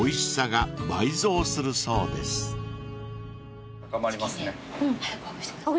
チキンね早くほぐしてください。